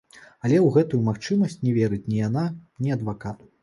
Але ў гэтую магчымасць не верыць ні яна, ні адвакат.